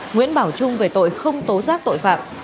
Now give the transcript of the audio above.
nguyễn bảo trung về tội không tố giác tội phạm